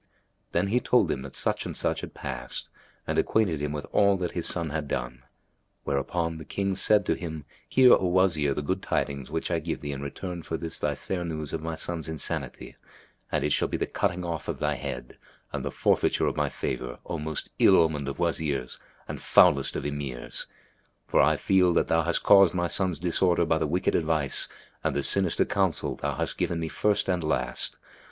Then he told him that such and such had passed and acquainted him with all that his son had done; whereupon the King said to him, "Hear, O Wazir, the good tidings which I give thee in return for this thy fair news of my son's insanity; and it shall be the cutting off of thy head and the forfeiture of my favour, O most ill omened of Wazirs and foulest of Emirs! for I feel that thou hast caused my son's disorder by the wicked advice and the sinister counsel thou hast given me first and last.